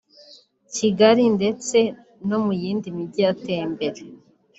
Kigali ndetse no mu yindi migi yateye imbere